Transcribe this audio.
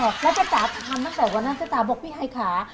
แล้วจ๊ะทำตั้งแต่วันนั้นจ๊ะจ๋าบอกพี่ไฮค่ะ